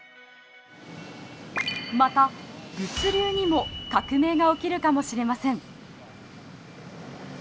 また物流にも革命が起きるかもしれません。